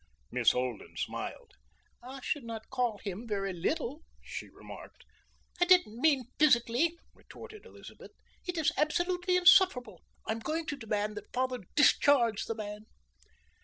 Miss Holden smiled. "I should not call him very little," she remarked. "I didn't mean physically," retorted Elizabeth. "It is absolutely insufferable. I am going to demand that father discharge the man."